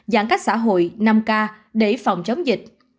giãn cách xã hội để phòng chống dịch